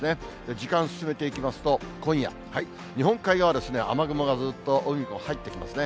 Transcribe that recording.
時間進めていきますと、今夜、はい、日本海側はですね、雨雲がずっと入ってきますね。